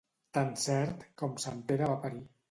Tan cert com sant Pere va parir.